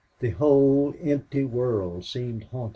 The whole empty world seemed haunted.